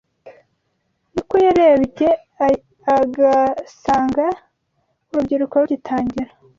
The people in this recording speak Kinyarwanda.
ni uko yarebye agasanga urubyiruko rugitangira